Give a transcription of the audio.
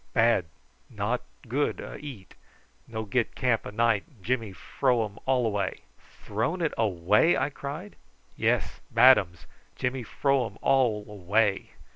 Bad; not good a eat. No get camp a night. Jimmy fro um all away!" "Thrown it away!" I cried. "Yes; bad ums. Jimmy fro um all away!"